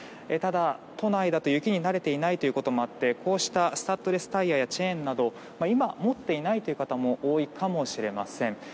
ただ、都内だと雪に慣れていないということもあってこうしたスタッドレスタイヤやチェーンなど今、持っていないという方も多いかもしれません。